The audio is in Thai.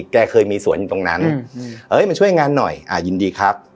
แกเคยมีสวนอยู่ตรงนั้นเอ้ยมาช่วยงานหน่อยอ่ายินดีครับ